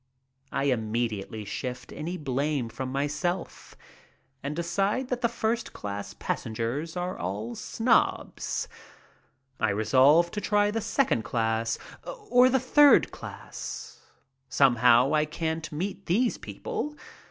I immediately shift any blame from myself and decide that the first class passengers are all snobs. I resolve to try the second class or the third class. Somehow I can't meet these people.